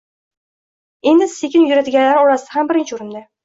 Eng sekin yuguradiganlar orasida ham birinchi oʻrinda